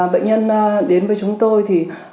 bệnh nhân đến với chúng tôi thì